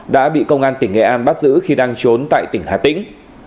đã bị công an tỉnh nghệ an bắt giữ khi đang trốn tại tỉnh hà tĩnh